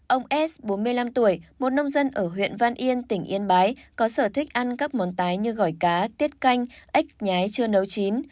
ông s bốn mươi năm tuổi một nông dân ở huyện văn yên tỉnh yên bái có sở thích ăn các món tái như gỏi cá tiết canh ếch nhái chưa nấu chín